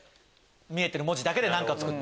見えてる文字で何かを作った？